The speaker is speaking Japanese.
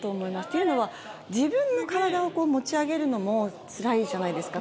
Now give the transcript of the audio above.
というのは自分の体を持ち上げるのもつらいじゃないですか。